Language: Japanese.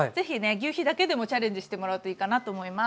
ぎゅうひだけでもチャレンジしてもらうといいかなと思います。